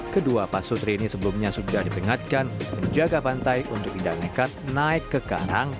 kedua pasutri ini sebelumnya sudah diperingatkan menjaga pantai untuk tidak nekat naik ke karang